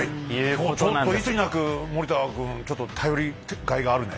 今日ちょっといつになく森田君ちょっと頼りがいがあるね。